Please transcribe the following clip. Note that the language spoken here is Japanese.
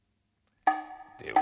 では。